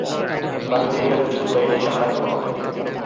বাণিজ্যের এ রাস্তাটি ছিল কুরাইশদের শাহরগ এবং অর্থনীতির প্রতীক।